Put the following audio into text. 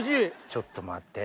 ちょっと待って。